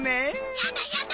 やだやだ！